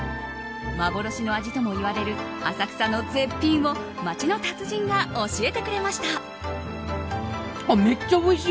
幻の味ともいわれる浅草の絶品を街の達人が教えてくれました。